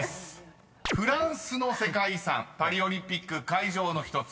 ［フランスの世界遺産パリオリンピック会場の１つ］